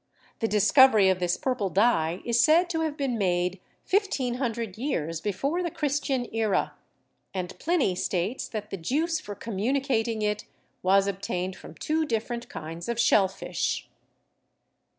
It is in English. The discovery of this purple dye is said to have been made 1,500 years before the Christian era, and Pliny states that the juice for communicating it was obtained from two different kinds of shell fish.